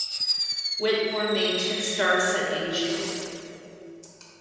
Whitmore made two starts at age two.